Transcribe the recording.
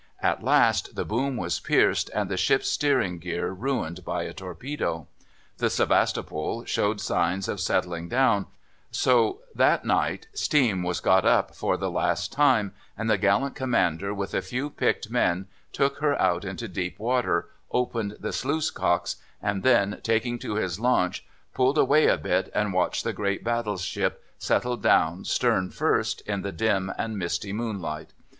At last the boom was pierced and the ship's steering gear ruined by a torpedo. The Sevastopol showed signs of settling down, so that night steam was got up for the last time, and the gallant commander with a few picked men took her out into deep water, opened the sluice cocks, and then, taking to his launch, pulled away a bit and watched the great battleship settle down stern first in the dim and misty moonlight.